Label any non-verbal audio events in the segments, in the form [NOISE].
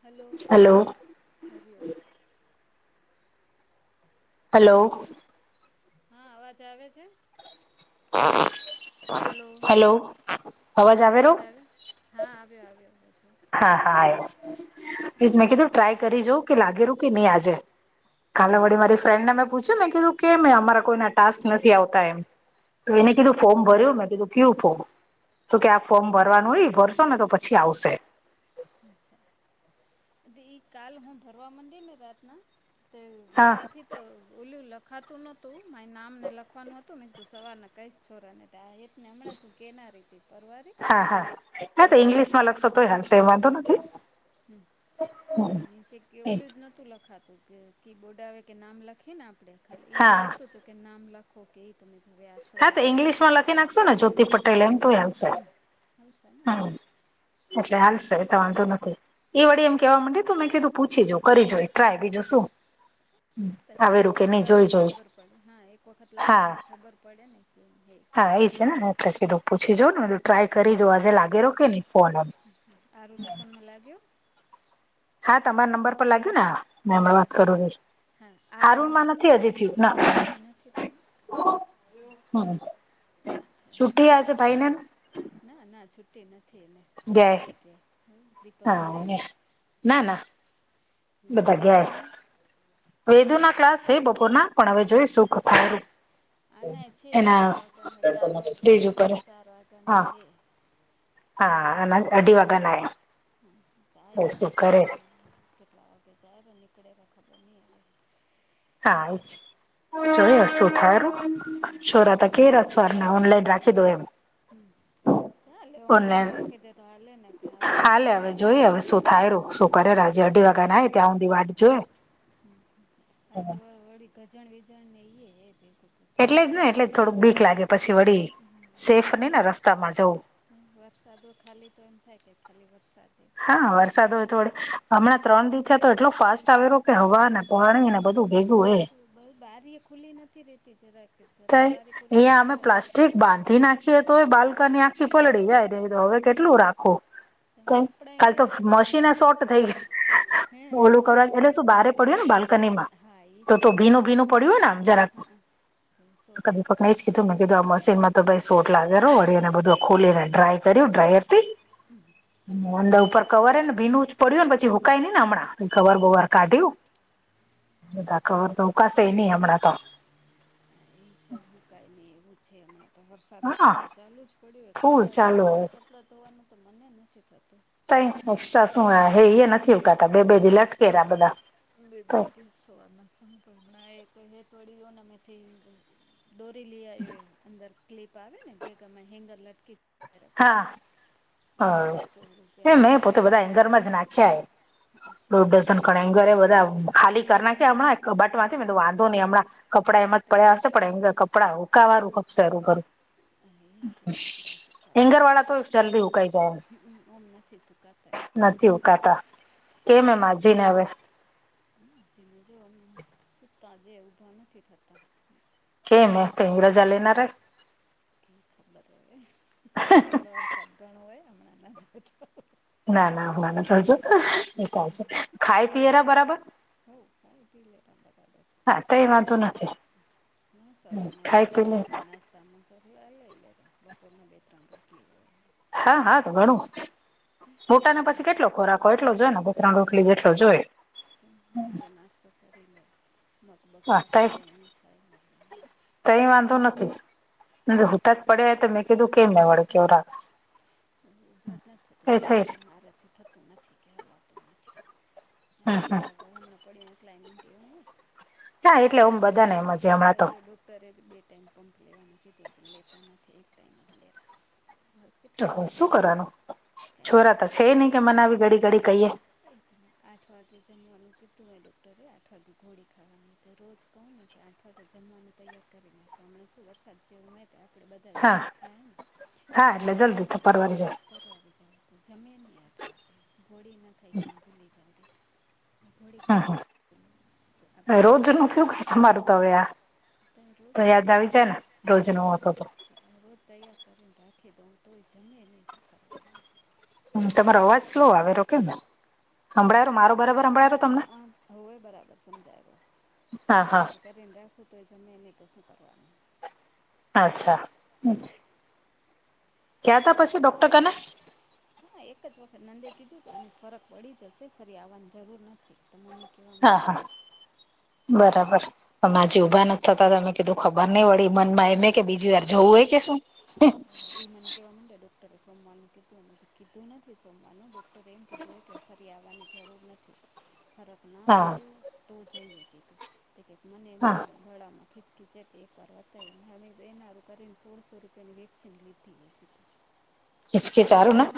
Hello hello હરમ. Hello, hello હા અવાજ આવે છે? હેલો, હલો હા અવાજ આવે? હા આવ્યો આવ્યો. હા હા આયો, એજ મેં કીધું ટ્રાય કરી જાઉં કે લાગે રું કે નહી આજે. કાલે વળડી મારી ફ્રેન્ડને મેં પૂછ્યું મેને કીધું કેમ અમારા કોઈના ટાસ્ક નથી આવતા એમ. તો હા એને કીધું ફોર્મ ભર્યું મેં કીધું કયું ફોર્મ, તો કે આ ફોર્મ ભરવાનું હોય ભરશો ને તો પછી આવશે. અચ્છા, ઈ કાલ હું ભરવા માંડી ને રાતના. હા મારાથી તો ઓોલું લખાતું નોતું મા નામ ને લખવાનું હતું મેં તું સવારના કંઈ છોરાને. ને હમણાં છું કેના રીતે પરવારી. સતો હયાાલ છે એ વાંધ નથી. હમ નીચે કેવલું જ નતું લખાતું. જે કીબોર્ડ આવે કે નામ લખી ને આપણે ખાલી એ હા આવતો હતો કે નામ લખો કે એ તમે હવે હા તો છોરાને ઈંગ્લિશ પૂછવું માં લખી પડશે નાખશોને જ્યોતિ પટેલ એમ તો આવશે. હમ હાલશેને હમ, એટલે હાલશે એ તો ઠીક વાંધો નથી. એ વળી એમ કેવા માં તો મેં કીધું પૂછી જા કરી જોો એ ટ્રાય બીજો શું. છે આવેરું એક કે વાર નહી કર જોઈ તો જોઈ ખબર પડે હા એક વખત લગાવી તો હા. ખબર પડે ને. જ હા [UNINTELLIGIBLE] એ છે ને એટલે સીધું પૂછી જો ને બધું ટ્રાય કરીજો આજે લાગે રોકે ને. આરું નફોનમાં લાગ્યો? હા તમારા નંબર પર લાગ્યો ને, હમણાં વાત કરું રઈ. હ ના એ ખત [UNINTELLIGIBLE] છુટ્ટી આ છે ભાઈ ને? ના ના છુ તેના થ મે ગયા સાઈડેકે દીપક ઘરે. હા ના ના બધા વેદુ ને. ગયા વેદુ ના ક્લાસ છે બપોર ના પણ હવે જોઈ સુખ થું. આના છે એના ત્રણ વાગ્યાના ચાર ફિજ ત્રણ ઉપર, કે ચાર વાગ્યાના હા. હે હા અને અઢ વાગા ના. હ ચાય કીધું તો ત્રણ કેટલા વાગે જાય પણ નીકળેલા ખબર નહી આવે. હા એ, જોય શું જોઈએ થાયું, છોરા ત કેરા. હમ સર ના ઓનલાઈન રાખી દો એમ હમ્મ ચાલે ઓનલાઈન રાખી દે તો હાલેેને કે આવા વરસાદના જે થાય રું શું કરેરા હજી અઢી વાગ્યા નાય ત્યાં ઊધી વાટ જોએ હા તો વળી ગજાણ વીજાણ ને ઈએ હે ભેગું બધું એટલે જ ને એટલે જ થોડુંક બીક લાગે પછી વળી સેફ નહી ખાલી ને રસ્તામાં જવું વરસાદો ખાલી તો એમ થાય કે ખાલી વરસાદ હે હા વરસાદ હોય થોડે હમણાં ત્રણ દિ થયા તો એટલો ફાસ્ટ આવેરો કે હવાના પોણી ને બધું ભેગું હે ખુબજ બારી એ ખુલ્લી નથી રહેતી જરા કે થાય ઈયા અમે પ્લાસ્ટીક બાંધી નાખીએ તોય બાલક ની આખી પલળી જાય ને તો હવે કેટલું રાખુ. ક કપડાં કાલ તો ક્યાં મશીનએ સુકાવામાં સોટ થઈ ગયા. હે ઓલું કરવા એટલે શું બારે પડ્યું ને બાલ્કની માં હા ઈ તો છે તો ભીનું વળી ભીનું પડ્યું હોય ને આમ જરાક હા સોટ કાલ દીપક આવી ને એજ જાય કીધું તો મેં કીધું આ મશીનમાં તો ભાઈ સોટ લાગે રહો વળીને બધું ખોલીને ડ્રાય કર્યું ડ્રાયર થી હમ્મ. અંદર ઉપર કવર ને ભીનું પડ્યું ને પછી હુંકાઈ નઈ ને હમણાં કવર બવર કાઢ્યું બધા કવર તો હુંકાશે નહિ હમણાં તો એ મુકાય નહી એવું છે હમણાં તો વરસાદએ હા ફૂલ ચાલુ જ પડ્યો. ફૂલ કપડા ચાલુ એસરા કપડા ધોવાનું તો મનેએ નથી થતું તઈ એક્સ્ટ્રા સું હે એ નથી હુંકાતા બે બે દી લટકેરા બધા બે બે તો દી સવારના પણ નાઈટ હે થોડી [UNINTELLIGIBLE] દોરી લઈ આયો હે એ અંદર ક્લિપ આવે ને કેક મે હેન્ગર લટકી હા હા. સો એ રૂપિયાની મેં પોતે બધા એંગર ટ્રેનમાંથી માં જ નાખ્યા એ દોઢ ડઝન હેંગરમાં ઘણા છે એંગર એ બધા ખાલી કરી નાખ્યા હમણાં કબાટમાંથી વાતો ની હમણાં કપડા એમાં જ પડ્યા હશે પણ હેન્ગર કપડા કપડા હુંકાવા હારું ખપશે હરું ભરું અ એ છે કપડા સુકાવા એંગર હારુ વાળા તો ખપશે જલ્દી ઉકાઈ જાય ઓમ નથી સુકાતા નથી કપડાં ઉકાતા કેમ હે માજી ને હવે છીએ જો સૂતા જે ઊભા નથી થતા કેમ અ તો રજા લેનારા ખબર હે હમણાં આવડો વરસાદ ગણો હે હમણાં નથી એવડો ના ના હમણાં ના જજો ખાઈ પીએરા બરાબર હઓ ખાઈ પી લે રા બરાબર હા કઈ વાધો નથી. ના સવારના બે ખાઈ પી તરણ લે રોટલી નાસ્તામાં કરવી લઈએ બપોર ના બે તરણ રોટલી હોય હા હા તો ઘણું મોટાને હેઠે પછી કેટલો ખોરાક એટલો જોય ને બે તરણ રોટલી જેટલો જોઈએ. વચ્ચે નાસ્તો કરી લે મગબગ બાફી દે એમ કરે કઈ વાંધો નથી. હજી હુંતા જ પડ્યા હે તો મેં કીધું કેમ મે વડે કેવડા ઉગ જ નથ થઈ કે સે મારેથી થતું નથી કે હલાતું હા હમ એક હમ ચાર વાર હમણાં પડ્યુંને ક્લાઇમિંગ કેવાયું ને હા એટલે ઓમ બધા ને એમ જ હે હમણાં તો તરે જ બે ટાઈમ પંમ્પ લેવાનું કીધું પણ લેતા નથી એક ટાઈમ જ લેરા હવે તો કેટલું હું શું કરવાનું કાંઈ ન છોરા તો કરે છે નઈ કે મનાવી ઘડી ઘડી કહીએ. એ જ ને. આઠ વાગે જમવાનું કીધું આ ડોક્ટરે આઠ વાગે ગોડી ખાવાની તો રોજ કહું ને કે આઠ જમવાનું તૈયાર કરીને હમણા શું વરસાદ જેવું હોય તો આપડે બધા હા ઘરે જ થાહે ને તો હા એટલે ફટાફટ જલ્દી એમ પરવારી જાય [UNINTELLIGIBLE] જાય જમેની આઠ વાગે ઘોળી ના ખાય કે હું ભૂલી જઉ કે ગોળી ખાવાનું આપણી તબિયત ન રોજનું શું હોય કે બરોબર તમારું તો અવે આ રોજ તો યાદ જમવાનું આવી જાય ને રોજ નો હો તો તો રોજ તૈયાર કરીને રાખી દઉં તોય જમીને નઈ સુુંતા હમ તમારો અવાજ સ્લો આવે રો કેમ? હમભળાયો મારો બરાબર હમભળાયો તમને હા હોવે બરાબર સમજાયો હું હા હા તૈયાર કર રાખું તો એ જમે એ નહીં તો શું કરવાનું. આચ્છા, કયાં તા પછી ડોક્ટર કને હા એક જ વખત નંદે કીધું તું અને ફરક પડી જશે ફરી આવાની જરૂર નથી તો મમ્મી કહેવા હા માંડી હા બરાબર પણ આજે ઉભા નથી થતા તમે કીધું ખબર નહીં વળી મનમાં એમે કે બીજી વાર જવું હોય કે શું એ મને કેવા મન્ડે ડોક્ટરે સોમવારનું કીધું, કીધું નથી સોમવાર નું ડોક્ ક્ટરે એમ કીધું કે ફરી આવાની જરૂર નથી ફરક ના હા પડે તો જઈએ કેધું તો કેટ મને એમ હા થાય ગળામાં ખીચખીચ હતી એકવાર બતાઈને અમે એના કરીને સોળસો રૂપિયાની વે [UNINTELLIGIBLE] કેચ કેચારું ના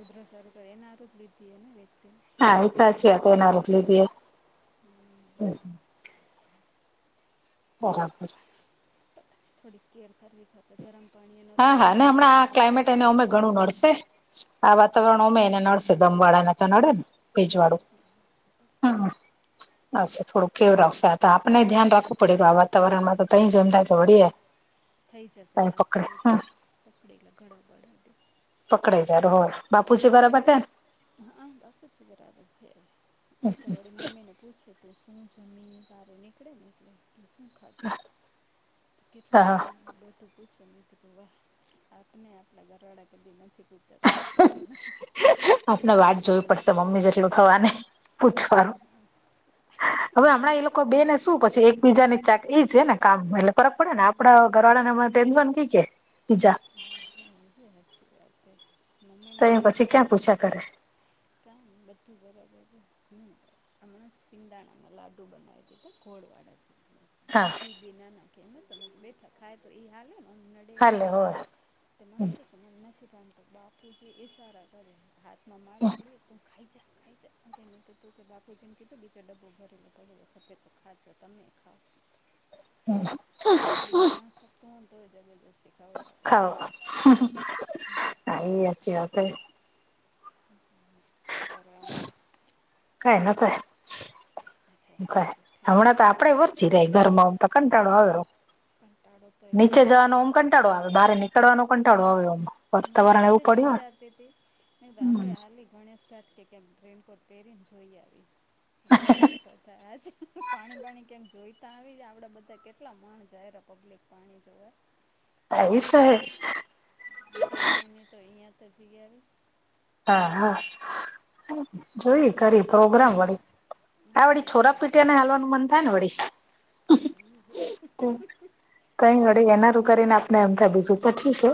ઉધર સરું કરી એના હારુ જ લીધી એ ને વેક્સીન હારુ તા છે એના રોકલી દે હમ [INAUDIBLE] બરાબર. થોડી કેર કરવી ખાત ગરમ પાણી નહો હા એક હા ને હમણાં દિવાળી આ બોટલ ક્લાઇમેટ પર એને અમે ઘણું નડશે આ વાતાવરણ ઓમે એને નડશે દમવાળા ને તો નડે ને ભેજવાડુ નડે હંક હમ આવશે થોડુંક કેવું રાખશે આ તો આપને ધ્યાન રાખવું પડે આ વાતાવરણમાં તો તઇ ચમતા તોડી હૈ [UNINTELLIGIBLE] એજ ને પકડેલા ઘડા બાડા દે પકડાઇ જાઈ રોહ બાપુજી બરાબર છે ને હા બાપુજી બરાબર છે એ તો વળી મમ્મીને પૂછે તો શું જમી વારે નીકળે ને એટલે શું ખાધું હા કેટલું હા જમાનું બ તો પૂછો મેં કીધું વાહ આપને આપના ઘરવાળા કેધી નથી પૂછતા પુસી જો ને આપને વાટ જોવી પડશે મમ્મી જેટલું થવાની પૂછ વારુ હવે અમના એ લોક કો બે ને શું પછી એક બીજા ની ચાક એ છે ને કામ એટલે ફરક પડે ને કાંઈ આપડા ઘરવાળાને આમ ટેન્શન કી કે જા સાચી વાત છે, મમ્મીને એ તો પછી એવું ક્યાં આમ પૂછા કરે ક બધું બરાબર ન હમણા સિંગાણામાં લાડુ બનાવી દીધા, ગોડ વાળા છે. હા. બે નાના બેઠા ખાય તો, એ હાલનેમી હાલે હોય અને એમ નથી પામતો, બાપકી છે, એ સારા કરે, હાથમાં માળા પડી તો, હું ખાઈ જા. આ જે મે તું કે બાપુ જેમ કીધું, બીજો ડબ્બો ભરેલો, ક ખપે તો ખાજો તમે ખાવ. [UNINTELLIGIBLE] ના, તો જબરજસ્ત ખાવડાવ કઈયાછ વાત શું કરેનું? કઈ નથી કંઈ ના થાય એમ ક જ બેઠા હમણાં તો ફો આપડે વરચી ર ઘરમાં [UNINTELLIGIBLE] કંટાળો આવે કંટાળો તો એટલો નીચે જવાનો, આમ આવેલો કંટાળો આવે, બારે નીચ ડવાનો, પણ ટાળવા આવ્યો આ હું આજે જ વિચારતી હતી નહી તો આપે, હમ હાલી ગણેશ ઘાટ કે કેમ રેનકોટ પહેરીને, જોઈ આવી, ખાલી તો થ જ પાણી બાણી કેમ જોઈ તો આવી, જ આપણે બધા કેટલા માણ જાયરા પબ્લિક પાણી જોવા. કઈસ હ. બીજે ક્યાંય નહી તો, અહિયાં તો જ ગયા. હા, હા, કે જોયા કરી, પ્રોગ્રામ વાળી. આ હા વળ એ છે છોરા પીટી ને, હાલવાનું મન થાય ને, વળી. કઈ વળ એનારું કરીને, આપને એમ થાય બીજું પછી છે.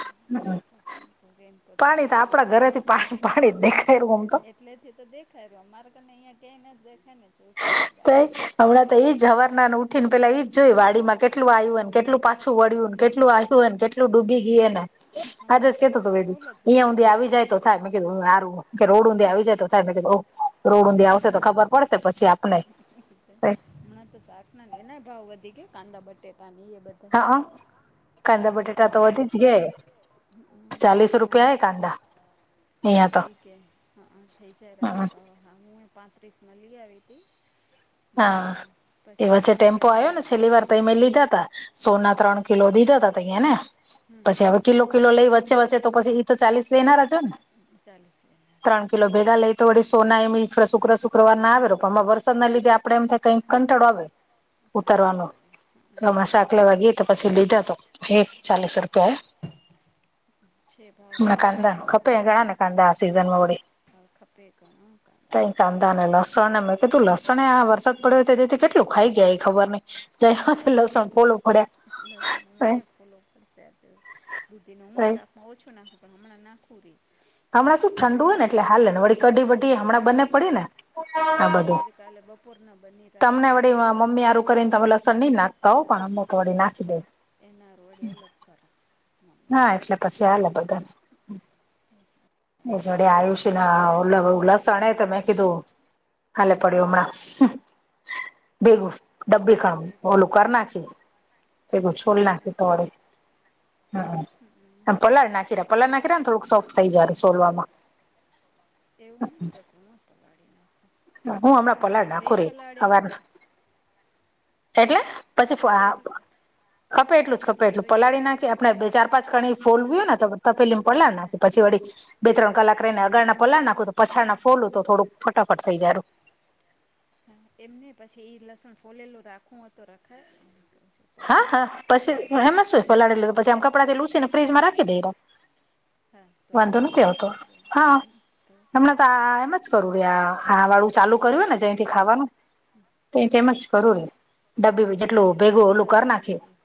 હા એ છે તો રેનકોટ કે પાણી તો આપ આપણા પહેરીને ઘરેથી પાણી પાણી દેખાય રહ્યું, આમ તો એટલેથી તો દેખાય રહ્યો, અ મારે કને અહીંયા ક્યાય ના જ દેખાય ને, શું ખરદ નીકળી નાને ઉઠીને પેલા એ જ જોયું વાડીમાં, કેટલું આવ્યું ને, કેટલું પાછું વળ્યું ને, કેટલું આવ્યું ને, કેટલું ડૂબી ગઈ એને. હમણાં આજસ તો કેતો હતો બધું ભ ફૂલ જ અહિયાયા ઊંધી ભરેલી આવી હશે જાય તો. થાય મેં કીધુરું કે, રડ ઊંધે આવી જાય, તો થાય મે, કીધું રોડ ઊંધ આવશે તો, ખબર પડશે. પછી આપને હમણાં તો શાક ના એના ભાવ વધી, કાંદા-બટેટા નયે બટ [UNINTELLIGIBLE] કાંદા-બટેાટા તો વધી જ ગયા, હમ. ચાલીસ રૂપિયા એ કાંદા. અહિયાં તો થઈ ગયા. હા, થઈ જાય. હમ હા, હું એ પાંત્રીસમાં લઈ આવી હતી. ને [UNINTELLIGIBLE] એ પછી વચ્ચે વળી ટેમ્પો ઓનલાઈન આવ્યો ને, છેલ્લી મંગાવ્યા વાર ત મેં લીધા તા, સોના ત્રણ કિલો દીધા તા તયા ને. પછી હવે કિલો-કિલો લઈ વચ્ચે વચ્ચે તો પછી તો ચાલીસ લેનારજો ને, ચાલીસ લેનાર ત્રણ કિલો આવવાનું હતું ભેગા લઈ. વડી સોના એ શુક્ર શુક્રવાર ના આવે, પણમાં વરસાદ ના લીધે, આપડે એમ થાય કઈક કંટાળો આવે. કંટાળો ઉતરવાનું આવે તો અમાં હા શાક લેવાગી તો, પછી લીધા તો. હ, ચાલીસ રૂપિયા એ છે ભાવ હમણાં વધી કાંદા ગયા ખપ ઘણા ને કાંદા આ સિઝન માં વ હ, ખપે ઘણો કાતા પટેમાં. કે તું લસણ. વરસાદ પડ્યો તેતે કેટલું ખાઈ ગયા, એ ખબર નહીં જ, લસણ થોડું પડ્યા. લસણ મને ફૂલો પશે દુધી ન હું સા હ, ઓછું નાખું, પણ હમણાં નાખું રહી. હમણા શું ઠંડુ હોય ને એટલે હા નેળી કઢી બઢી હમણાં બંને પડી ને આ ક્ઢી બધું અમારી કાલે બપોરના બની તમને રાતના વળી બની પણ મમ્મી હારું કરીને તમે લસણ નહી નાખતા હોવ પણ અમ તોડી નાખી દે એના [UNINTELLIGIBLE] કર હા એટલે પછી આલે બધાને છે જોડે એમાં ફોન આયુષ્યના કરે તો બોરીવાલા લસણે ત મેં કીધું હાલે પડ્યું હમણાં ભેગું ડબ્બી ઘણું કામ થઈ રહેતું ઓલું કર નાખી પછી છોલ ફોલી નાખી તોડુ નાખ્યું હમ આમ પલાળ નાખીરા પલાળ નાખીરા ને થોડુંક સોફ્ટ થઈ જાય સોલવામાં. એવુ ત [UNINTELLIGIBLE] હું હમણાં પલાળ નાખુંરે હવારના એટલે? કે પછી ખપે એટલો ખપે એટલું જ ખપે જેટલું એટલું જોઈએ પલાળી નાખ આપણેે બે ચાર પાંચ કણી ફોલવ્યું ને તપેલી પલાળ નાખે પછી વળી બે ત્રણ કલાક રહીને આગળના પલાળ નાખુ તો પાછળના ફોલું તો થોડું ફટાફટ થઈ જાય રૂ હા એમને પછી એઈ લસણ ફોલેલું રાખું તો રખાય. છું. હા પડ્યું હા હોય પછી ડબ્બીમાં એમાં શું પલાળ લીધું પછી આમ કપડા લૂસીને ફ્રીજમાં રાખી દેય હા તો વાંધો હાલી નથી જાય ને આવતો. એમ તો હા, હમ, તો હમણા તા એમ જ કરું રહે આ વાળું ચાલુ કર્યું ને જ્યાથી ખાવાનું તેય હમ, તેમ જ કરૂ રે ડબી જેટલું ભેગું ઓલુ તને એ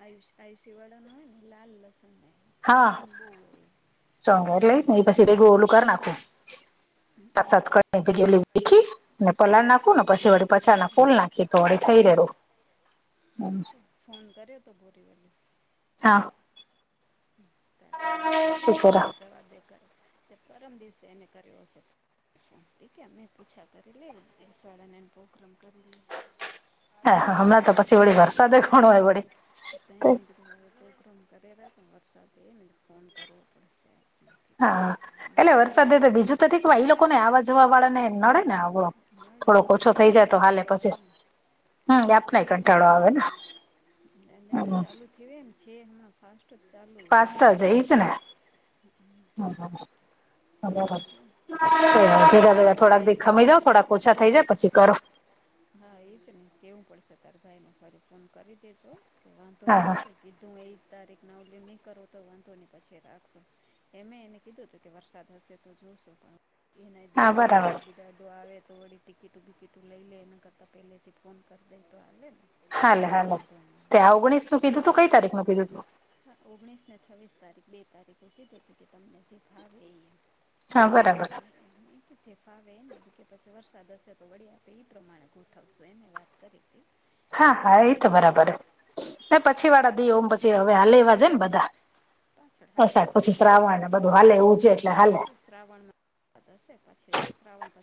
આયુષ આયુષ્ય વાળા નો હોય ને લાલ લસણ હે હા સ્ટ્રોંગ બો હોય સ્ટ્રોંગ એટલે જ ને ઈ પછી ભેગું ઓલું કર નાખું. એ લસણ [UNINTELLIGIBLE] ને પલળ નાખું ને પછી વળી પાછાના ફૂલ નાખીએ તો વળી થઈ રેરું છે ફોન કર્યો તો બોરીવલી? હા. ભાઈ એ તો શું કેય કર અમે જવાબ બેે કર કે પરમ દિવસે એને કર્યો હશે? ફો ટી કે મેં પૂછા કરી લેવું દસવાળાને એ પોગ્રામ કરી લે. હા હા, હમણાં તો પછી વળી વરસાદે કોણ હોય વળી [UNINTELLIGIBLE] એક [UNINTELLIGIBLE] પ્રોગ્રામ કરેલા પણ વરસાદેને ફોન કરો પડશે કીધું હા, એટલે એમાં એને વરસાદે તો વળી બીજું દેશ તો કે ઈ લોકોને આવા જવા વાળા ને નડે ને આ નડે થોડોક ને ઓછો થઈ આપણે જાય તો હાલે કંટાળો પછી આવે ને હ એ આપ [UNINTELLIGIBLE] હમ ચાલુ થય એમ છે હમણાં ફાસ્ટ જ ચાલુ હોય પાંચટા જઈ છે ને તારા હ ભાઈ [INAUDIBLE] એને થોડાક બે બી ખમી જઓ તારીખ થોડાક ઓછા થઈ જાય પછી કરો. હા, એજ ને કેવું પડશે તારે ભાઈને ફરી ફોન કરી દેજો વાંધો હા હા નથી કઈ? કીધું એક તારીખ નવલી ની કરું તો વાંધો ની પછી રાખશું. એમે એને કીધું હતું કે વરસાદ હશે તો જોશું પણ એનાય હા દેશમાંથી બરાબર દાઢડી દાઢો આવે તો વળી ટિકિટું બિકિટું લઈ લેયને કરતા પહેલેથી ફોન કરી દેય તો આલેને હાલે હાલે ત્યાં ઓગણીસનું કીધું તું કઈ તારીખનું કીધું તું હા ઓગણીસને છવ્વીસ તારીખ બે તારીખે કીધું હતું કે તમને જે ફાવે એમ હા, એ બરાબર. એ કે જે ફાવે એને કે પછી વરસાદ હશે તો વળી આપે ઈ પ્રમાણે ગોઠવશું એને વાત કરી હતી. હા હા, એ તો બરાબર ને પછી વાળા દી ઓમ પછી હવે હા લેવા જયને બધા. પાછળ હાલે અષાઢ પછી વાંચે શ્રાવણને બધું હાલે એવું છે એટલે હા હાલે. જો શ્રાવણમાં સાદ હશે પછી શ્રાવણ પ